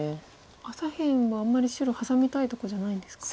左辺はあんまり白ハサみたいとこじゃないんですか。